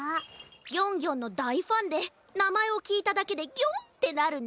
ギョンギョンのだいファンでなまえをきいただけでギョン！ってなるんだ。